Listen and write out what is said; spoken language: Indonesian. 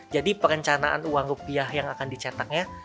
jadi perencanaan uang rupiah yang akan dicetaknya